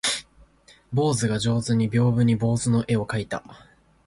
坊主が上手に屏風に坊主の絵を描いた